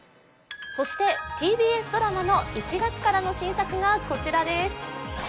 そしてＴＢＳドラマの１月からの新作がこちらです